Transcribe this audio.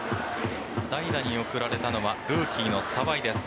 代打に送られたのはルーキーの澤井です。